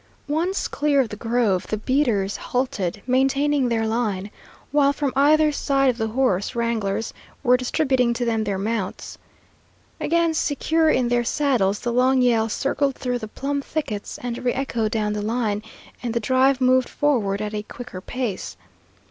Once clear of the grove, the beaters halted, maintaining their line, while from either end the horse wranglers were distributing to them their mounts. Again secure in their saddles, the long yell circled through the plum thickets and reëchoed down the line, and the drive moved forward at a quicker pace.